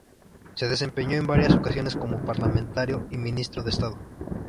Se desempeñó en varias ocasiones como parlamentario y ministro de estado.